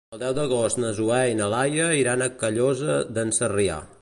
El deu d'agost na Zoè i na Laia iran a Callosa d'en Sarrià.